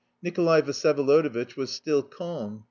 Nikolay Vsyevolodovitch was still calm.